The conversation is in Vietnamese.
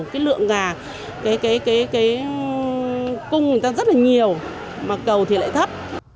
cái lượng gà cái cung người ta rất là nhiều mà cầu thì lại thấp